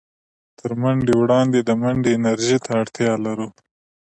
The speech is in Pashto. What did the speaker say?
تر منډې وړاندې د منډې انرژۍ ته اړتيا لرو.